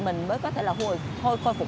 mình mới có thể là khôi phục